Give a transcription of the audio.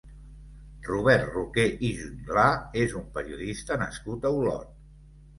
Robert Roqué i Jutglà és un periodista nascut a Olot.